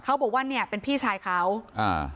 เขาบอกว่าเนี้ยเป็นพี่ชายเขาอ่า